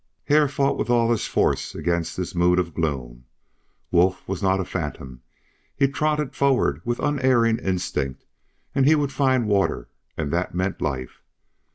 Hare fought with all his force against this mood of gloom. Wolf was not a phantom; he trotted forward with unerring instinct; and he would find water, and that meant life.